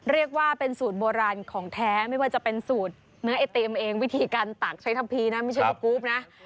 เรียกว่าเป็นสูตรโบราณของแท้ไม่ว่าจะเป็นสูตรเนื้อไอติมเองวิธีการตักใช้ทำพีนะไม่ใช่ว่ากรูปนะ